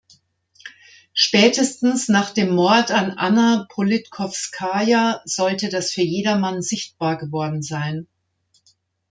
Spätestens nach dem Mord an Anna Politkowskaja sollte das für jedermann sichtbar geworden sein.